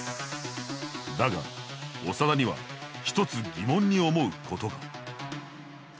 だが長田には１つ疑問に思うことが。